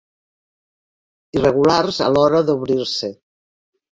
Irregulars a l'hora d'obrir-se.